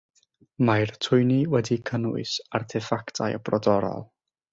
Mae'r twyni wedi cynnwys arteffactau brodorol.